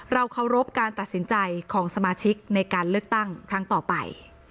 เคารพการตัดสินใจของสมาชิกในการเลือกตั้งครั้งต่อไป